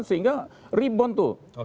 sehingga rebound tuh